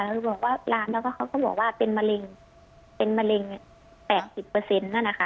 เราบอกว่าลำแล้วก็เขาก็บอกว่าเป็นมะเร็งเป็นมะเร็งแปดสิบเปอร์เซ็นต์นั่นนะคะ